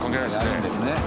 やるんですね。